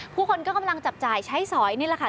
ผู้คนก็กำลังจับจ่ายใช้สอยนี่แหละค่ะ